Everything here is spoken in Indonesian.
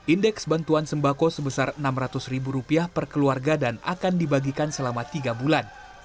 indeks bantuan sembako sebesar rp enam ratus ribu rupiah per keluarga dan akan dibagikan selama tiga bulan